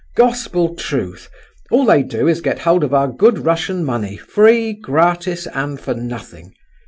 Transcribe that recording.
"Gospel truth! All they do is to get hold of our good Russian money free, gratis, and for nothing."